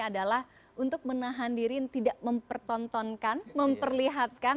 adalah untuk menahan diri tidak mempertontonkan memperlihatkan